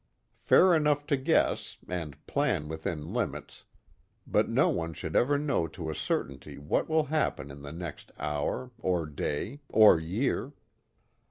Fair enough to guess, and plan within limits, but no one should ever know to a certainty what will happen in the next hour, or day, or year.